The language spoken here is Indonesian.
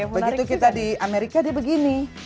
begitu kita di amerika dia begini